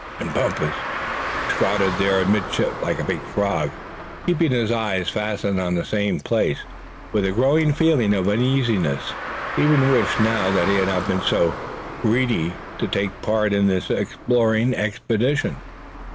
And Bumpus, squatted there amidships like a big frog, kept his eyes fastened on the same place, with a growing feeling of uneasiness. He even wished now that he had not been so greedy to take part in this exploring expedition.